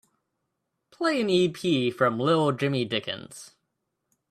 Play an ep from Little Jimmy Dickens.